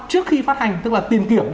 trước khi phát hành tức là tiền kiểm